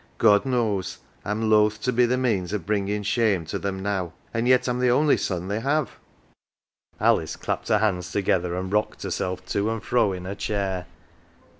God knows Fin loth to be the means o' bringin' shame to them now. An" 1 yet I'm the only son they have !" Alice clapped her withered hands together, and rocked herself to and fro in her chair.